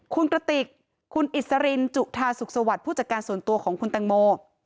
คุณกระติกคุณอิสรินจุธาสุขสวัสดิ์ผู้จัดการส่วนตัวของคุณแตงโม